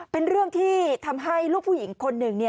เป็นเรื่องที่ทำให้ลูกผู้หญิงคนหนึ่ง